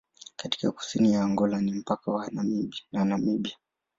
Katika kusini ya Angola ni mpaka na Namibia.